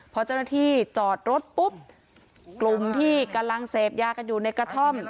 พอเจ้าหน้าที่จอดรถปุ๊บกลุ่มที่กำลังเสพยากันอยู่ในกระท่อม